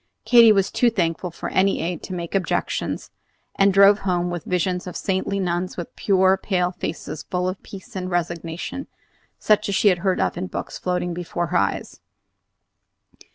Katy was too thankful for any aid to make objections, and drove home with visions of saintly nuns with pure pale faces full of peace and resignation, such as she had read of in books, floating before her eyes.